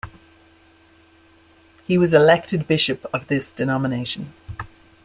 He was elected bishop of this denomination.